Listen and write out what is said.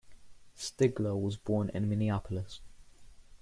Stigler was born in Minneapolis.